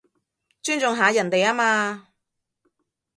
尊重下人哋吖嘛